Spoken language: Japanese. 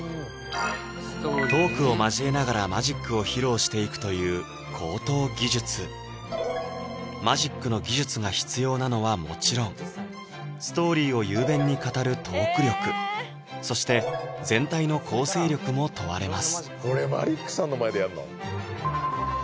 トークを交えながらマジックを披露していくという高等技術マジックの技術が必要なのはもちろんストーリーを雄弁に語るトーク力そして全体の構成力も問われます